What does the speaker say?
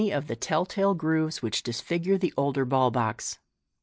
of those tell tale grooves which disfigure the older ball box.